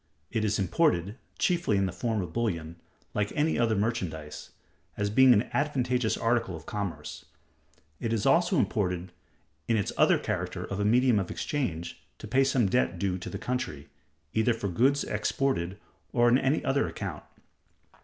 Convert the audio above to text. It is imported (chiefly in the form of bullion) like any other merchandise, as being an advantageous article of commerce. It is also imported in its other character of a medium of exchange, to pay some debt due to the country, either for goods exported or on any other account.